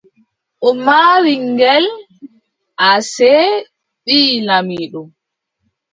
O maari ngel, asee, ɓii laamiiɗo.